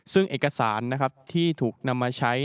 ซึ่งเอกสารที่ถูกนำมาใช้